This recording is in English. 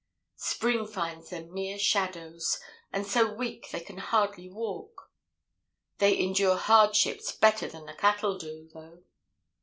Spring finds them mere shadows, and so weak they can hardly walk. They endure hardships better than the cattle do, though.